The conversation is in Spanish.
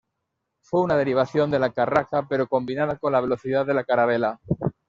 Fue una derivación de la "carraca" pero combinada con la velocidad de la "carabela".